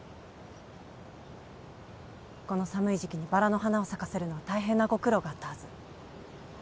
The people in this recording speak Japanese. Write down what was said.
この寒い時期にバラの花を咲かせるのは大変なご苦労があったはず